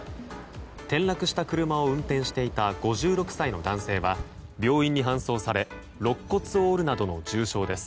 転落した車を運転していた５６歳の男性は病院に搬送されろっ骨を折るなどの重傷です。